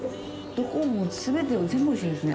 どこも全て、全部がおいしいですね。